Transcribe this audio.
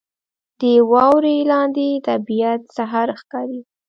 • د واورې لاندې طبیعت سحر ښکاري.